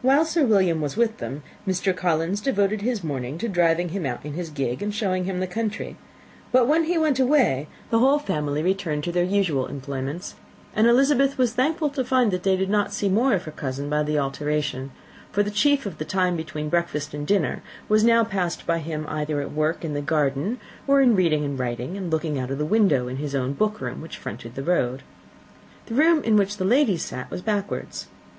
While Sir William was with them, Mr. Collins devoted his mornings to driving him out in his gig, and showing him the country: but when he went away, the whole family returned to their usual employments, and Elizabeth was thankful to find that they did not see more of her cousin by the alteration; for the chief of the time between breakfast and dinner was now passed by him either at work in the garden, or in reading and writing, and looking out of window in his own book room, which fronted the road. The room in which the ladies sat was backwards.